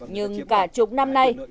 nhưng cả chục năm nay